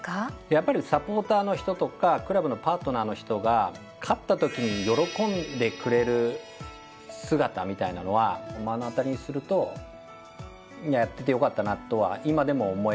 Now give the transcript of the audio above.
やっぱりサポーターの人とかクラブのパートナーの人が勝ったときに喜んでくれる姿みたいなのは目の当たりにするとやっててよかったなとは今でも思えるので。